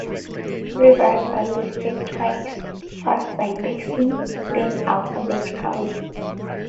Rivers are listed twice, first by basin, then alphabetically.